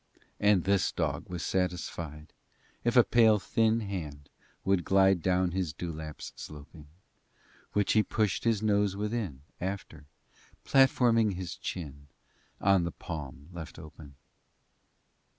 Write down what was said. XII And this dog was satisfied If a pale, thin hand would glide Down his dewlaps sloping, Which he pushed his nose within, After, platforming his chin On the palm left open.